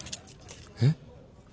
えっ？